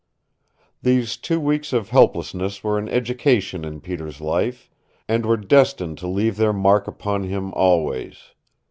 These two weeks of helplessness were an education in Peter's life and were destined to leave their mark upon him always.